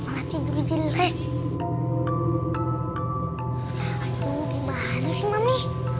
aduh kebalikin lagi